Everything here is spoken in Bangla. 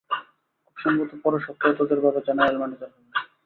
খুব সম্ভবত পরের সপ্তাহে তোদের বাবা জেনারেল ম্যানেজার হবে।